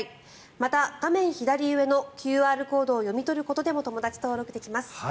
また画面左上のＱＲコードを読み取ることでも友だち登録できます。